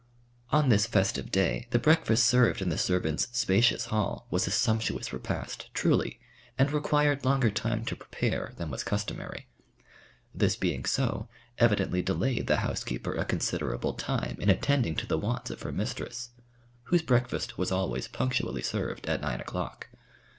On this festive day the breakfast served in the servants' spacious hall was a sumptuous repast, truly, and required longer time to prepare than was customary. This being so, evidently delayed the housekeeper a considerable time in attending to the wants of her mistress, whose breakfast was always punctually served at nine o'clock.